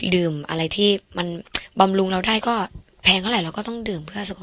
ดื่มอะไรที่มันบำรุงเราได้ก็แพงเท่าไหร่เราก็ต้องดื่มเพื่อสุขภาพ